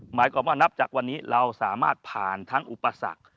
หมายความว่านับจากวันนี้เราสามารถผ่านทั้งอุปสรรค